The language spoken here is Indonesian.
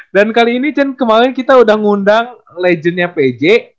dan kali ini cun kemarin kita udah ngundang legendnya pj